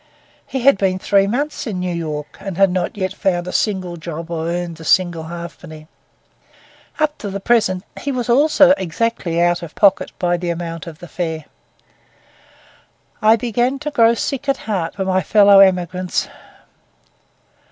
He had been three months in New York and had not yet found a single job nor earned a single halfpenny. Up to the present, he also was exactly out of pocket by the amount of the fare. I began to grow sick at heart for my fellow emigrants.